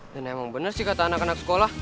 dan emang bener sih kata anak anak sekolah